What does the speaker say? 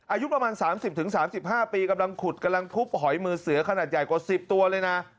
อายุประมาณ๓๐๓๕ปีกำลังขุดกำลังทุบหอยมือเสือขนาดใหญ่กว่า๑๐ตัวเลยนะ